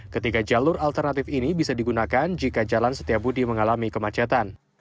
ketiga jalur alternatif ini bisa digunakan jika jalan setiabudi mengalami kemacetan